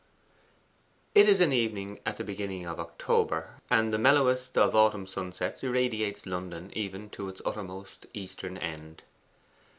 It is an evening at the beginning of October, and the mellowest of autumn sunsets irradiates London, even to its uttermost eastern end.